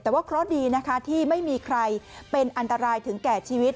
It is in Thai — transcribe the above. แต่ว่าเคราะห์ดีนะคะที่ไม่มีใครเป็นอันตรายถึงแก่ชีวิต